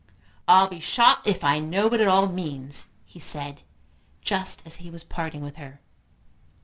"I'll be shot if I know what it all means," he said, just as he was parting with her.